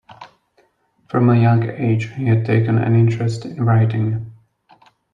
From a young age he had taken an interest in writing.